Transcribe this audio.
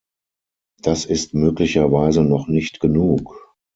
Das ist möglicherweise noch nicht genug.